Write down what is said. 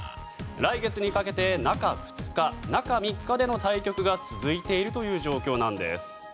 来月にかけて中２日、中３日での対局が続いているという状況なんです。